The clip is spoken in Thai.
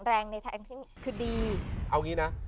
แรงในแทนซึ่งคือดี